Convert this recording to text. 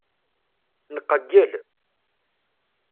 Nqeyyel.